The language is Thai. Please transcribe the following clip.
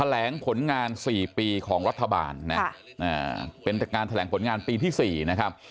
แหลงผลงาน๔ปีของรัฐบาลนะเป็นงานแถลงผลงานปีที่๔นะครับ